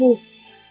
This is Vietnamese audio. và đón thu